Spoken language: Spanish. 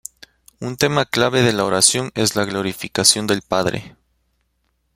Un tema clave de la oración es la glorificación del Padre.